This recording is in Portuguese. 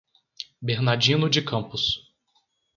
Bernardino de Campos